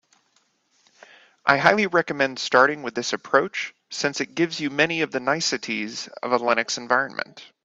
I highly recommend starting with this approach, since it gives you many of the niceties of a Linux environment.